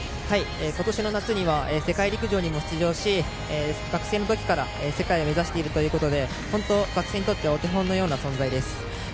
今年の夏には世界陸上にも出場し学生の時から世界を目指しているということで本当、学生にとってお手本のような存在です。